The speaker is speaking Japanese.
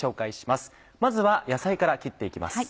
まずは野菜から切って行きます。